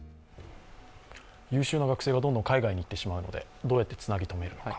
優秀な学生がどんどん海外に行ってしまうのでどうやってつなぎとめるか。